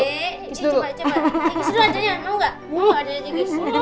coba coba kiss dulu aja ya mau enggak